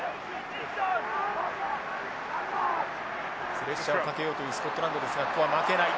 プレッシャーをかけようというスコットランドですがここは負けない。